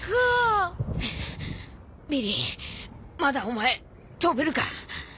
まだお前飛べるか？